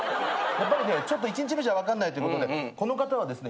やっぱりねちょっと１日目じゃ分かんないということでこの方はですね